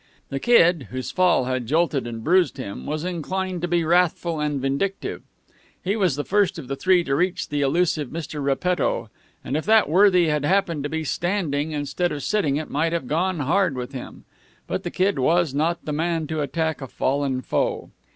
The Kid, whose fall had jolted and bruised him, was inclined to be wrathful and vindictive. He was the first of the three to reach the elusive Mr. Repetto, and if that worthy had happened to be standing instead of sitting it might have gone hard with him. But the Kid was not the man to attack a fallen foe.